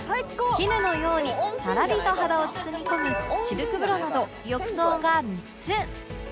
絹のようにさらりと肌を包み込むシルク風呂など浴槽が３つ